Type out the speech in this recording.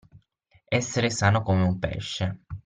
Essere sano come un pesce.